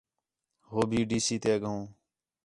ہو بھی ڈی سی تے اڳّوں